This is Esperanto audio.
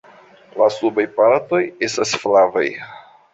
La subaj partoj estas flavaj.